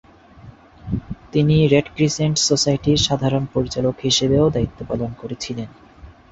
তিনি Red Crescent সোসাইটির সাধারণ পরিচালক হিসাবেও দায়িত্ব পালন করেছিলেন।